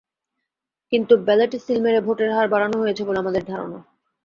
কিন্তু ব্যালটে সিল মেরে ভোটের হার বাড়ানো হয়েছে বলে আমাদের ধারণা।